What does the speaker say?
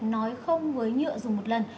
nói không với nhựa dùng một lần